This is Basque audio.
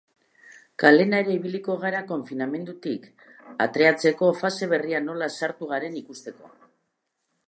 Kalena ere ibiliko gara, konfinamendutik atreatzeko fase berrian nola sartu garen ikusteko.